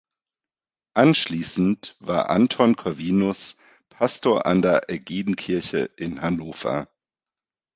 Anschließend war Anton Corvinus Pastor an der Aegidienkirche in Hannover.